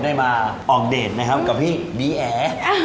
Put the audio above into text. ได้มาออกเดทนะครับกับพี่บีแอ